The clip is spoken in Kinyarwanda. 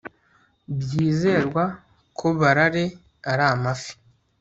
Byizerwaga ko balale ari amafi